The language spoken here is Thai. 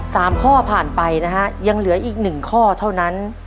สามข้อผ่านไปนะฮะยังเหลืออีกหนึ่งข้อเท่านั้น